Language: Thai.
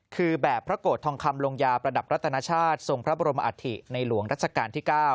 คือแบบพระโกรธทองคำลงยาประดับรัตนชาติทรงพระบรมอัฐิในหลวงรัชกาลที่๙